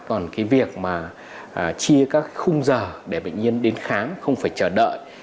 còn việc chia các khung giờ để bệnh nhân đến khám không phải chờ đợi